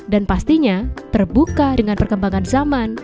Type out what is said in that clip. dan pastinya terbuka dengan perkembangan zaman